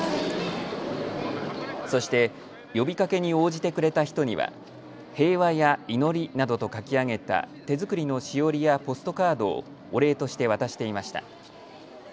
そして、呼びかけに応じてくれた人には平和や祈などと書き上げた手作りのしおりやポストカードをお礼として渡していました。